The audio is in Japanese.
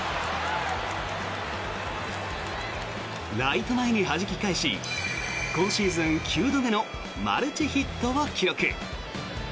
ライト前にはじき返し今シーズン９度目のマルチヒットを記録。